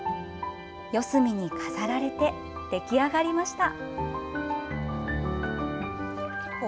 四隅に飾られて出来上がりました。